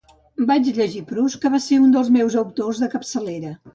Vaig llegir Proust, que va ser un dels meus autors de capçalera